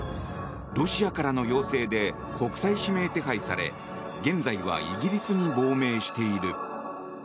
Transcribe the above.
ロシアからの要請で国際指名手配され現在はイギリスに亡命している。